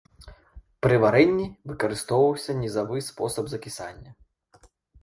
Пры варэнні выкарыстоўваўся нізавы спосаб закісання.